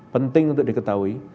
penting untuk diketahui